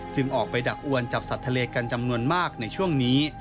ออกไปดักอวนจับสัตว์ทะเลกันจำนวนมากในช่วงนี้